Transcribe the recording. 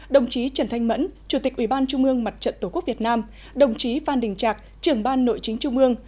đồng chí trần thanh mẫn chủ tịch ủy ban trung ương mặt trận tổ quốc việt nam đồng chí phan đình trạc trưởng ban nội chính trung ương